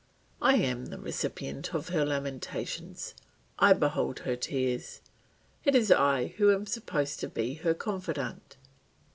I am the recipient of her lamentations, I behold her tears, it is I who am supposed to be her confidant.